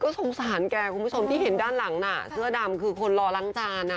สงสารแกคุณผู้ชมที่เห็นด้านหลังน่ะเสื้อดำคือคนรอล้างจานอ่ะ